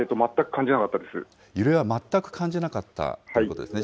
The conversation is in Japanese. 揺れは全く感じなかったということですね。